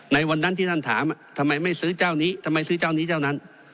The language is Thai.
ในวันนั้นที่ท่านถามทำไมไม่ซื้อเจ้านี้ทำไมซื้อเจ้านี้เจ้านั้น